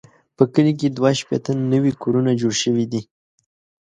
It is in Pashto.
په کلي کې دوه شپېته نوي کورونه جوړ شوي دي.